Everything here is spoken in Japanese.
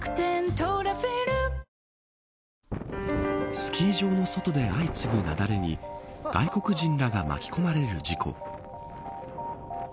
スキー場の外で相次ぐ雪崩に外国人らが巻き込まれる事故。